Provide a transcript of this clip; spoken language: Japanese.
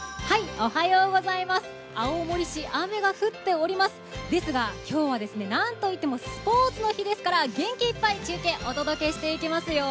青森市、雨が降っておりますですが今日はなんといってもスポーツの日ですから元気いっぱい、中継をお届けしていきますよ。